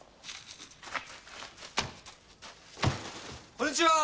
こんにちは！